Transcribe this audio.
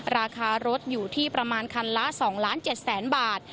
ราคารถอยู่ที่ประมาณคันละ๒๗๐๐๐๐บาท